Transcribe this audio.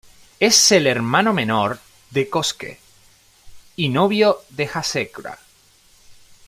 Es el hermano menor de Kōsuke y novio de Hasekura.